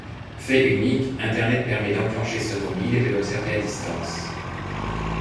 Fait unique, Internet permet d’enclencher ce mobile et de l’observer à distance.